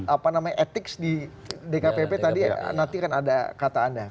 apa namanya etik di dkpp tadi nanti kan ada kata anda